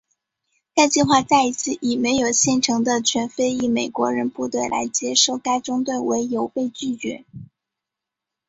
该计划再一次以没有现成的全非裔美国人部队来接收该中队为由被拒绝。